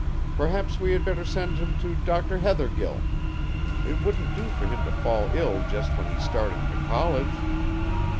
Perhaps we had better send him to Doctor Heathergill. It wouldn't do for him to fall ill just when he's starting to college."